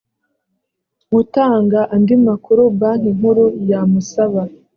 gutanga andi makuru banki nkuru yamusaba